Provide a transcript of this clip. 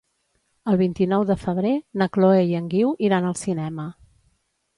El vint-i-nou de febrer na Chloé i en Guiu iran al cinema.